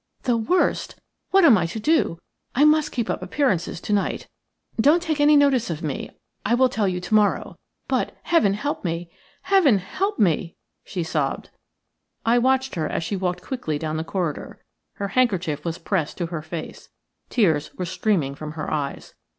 "The worst. What am I to do? I must keep up appearances to night. Don't take any notice of me; I will tell you to morrow. But Heaven help me! Heaven help me!" she sobbed. "'HEAVEN HELP ME!' SHE SOBBED." I watched her as she walked quickly down the corridor. Her handkerchief was pressed to her face; tears were streaming from her eyes.